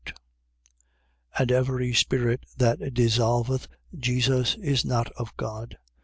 And every spirit that dissolveth Jesus is not of God.